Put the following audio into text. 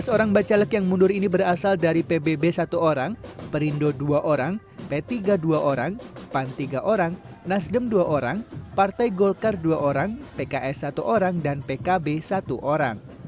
tiga belas orang bacalek yang mundur ini berasal dari pbb satu orang perindo dua orang p tiga dua orang pan tiga orang nasdem dua orang partai golkar dua orang pks satu orang dan pkb satu orang